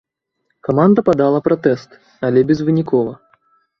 Каманда падала пратэст, але безвынікова.